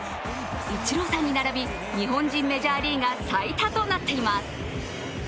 イチローさんに並び、日本人メジャーリーガー最多となっています。